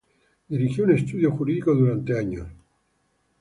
Dirigió un estudio jurídico durante años.